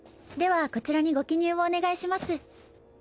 ではこちらにご記入をお願いします。